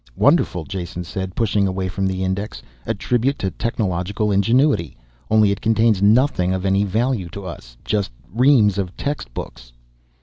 "Wonderful," Jason said, pushing away from the index. "A tribute to technological ingenuity. Only it contains nothing of any value to us. Just reams of textbooks."